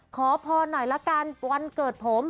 ขอพรหน่อยละกันวันเกิดผม